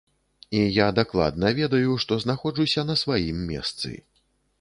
І я дакладна ведаю, што знаходжуся на сваім месцы.